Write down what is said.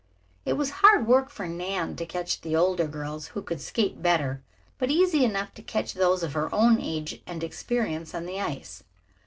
It was hard work for Nan to catch the older girls, who could skate better, but easy enough to catch those of her own age and experience on the ice.